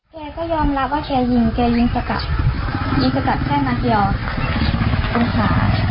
เจ้าก็ยอมรับว่าเจ้ายิงเจ้ายิงสกัดยิงสกัดแค่นักเดียวคุณค่ะ